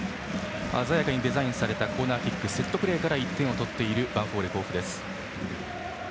鮮やかにデザインされたコーナーキックセットプレーから１点を取ったヴァンフォーレ甲府です。